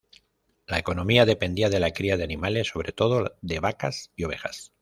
La economía dependía de la cría de animales, sobre todo de vacas y ovejas.